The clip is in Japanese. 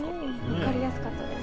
分かりやすかったです。